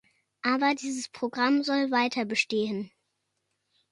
Aber dieses Programm soll weiterbestehen.